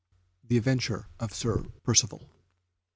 V. The Adventure of Sir Percivale.